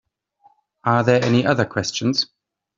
Are there any other questions?